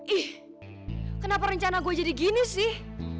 ih kenapa rencana gue jadi gini sih